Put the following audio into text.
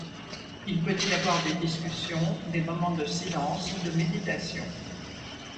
Il peut y avoir des discussions, des moments de silence ou de méditation.